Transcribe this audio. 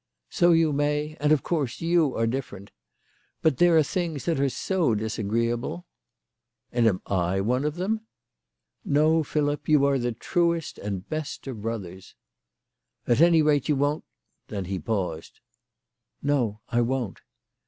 " So you may ; and of course you are different. But there are things that are so disagreeable !"" And I am one of them ?"" No, Philip, you are the truest and best of brothers." " At any rate you won't " Then he paused. " No, I won't."